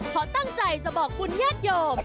เพราะตั้งใจจะบอกคุณญาติโยม